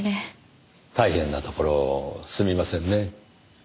大変なところをすみませんね。